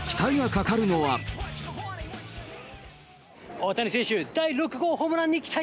大谷選手、第６号ホームランに期待。